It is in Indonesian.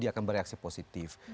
dia akan bereaksi positif